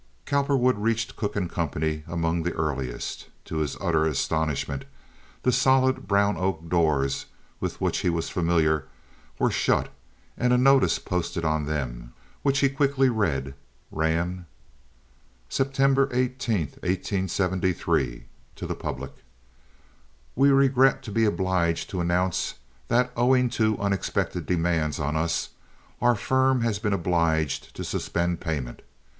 Cowperwood reached Cooke & Co. among the earliest. To his utter astonishment, the solid brown oak doors, with which he was familiar, were shut, and a notice posted on them, which he quickly read, ran: September 18, 1873. To the Public—We regret to be obliged to announce that, owing to unexpected demands on us, our firm has been obliged to suspend payment.